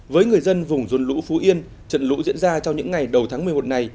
với người dân vùng dồn lũ phú yên trận lũ diễn ra trong những ngày đầu tháng một mươi một này